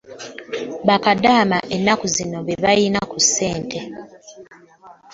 Ba kadaama ennaku zino be balina ku ssente.